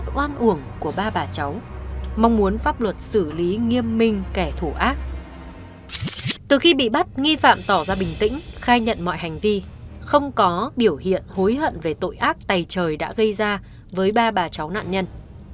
từ khi bị bắt nghi phạm tỏ ra bình tĩnh khai nhận mọi hành vi không có biểu hiện hối hận về tội ác tài trời đã gây ra với ba bà cháu nạn nhân